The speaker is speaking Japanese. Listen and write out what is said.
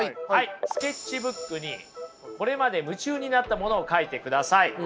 スケッチブックにこれまで夢中になったものを書いてください。